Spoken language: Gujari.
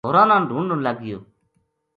ہوراں نا ڈھونڈن لگ گیو